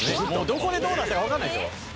どこでどうなってたか分かんないでしょう？